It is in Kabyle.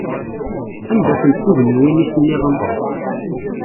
Anda-tent tugniwin-is nniḍen?